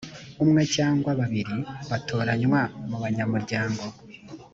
umwe cyangwa babiri batoranywa mu banyamuryango